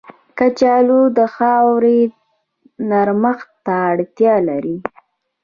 کچالو د خاورې نرمښت ته اړتیا لري